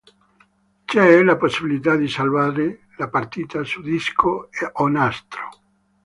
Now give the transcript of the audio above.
C'è la possibilità di salvare la partita su disco o nastro.